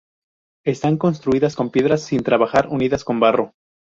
Están construidas con piedras sin trabajar, unidas con barro.